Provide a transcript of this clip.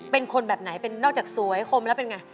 เป็นคนแบบไหนเป็นนอกจากสวยคมแล้วเป็นไง